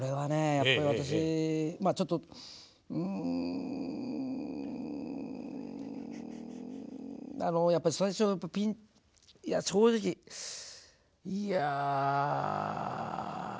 やっぱり私まあちょっとうんあのやっぱり最初はピンいや正直いやぁ。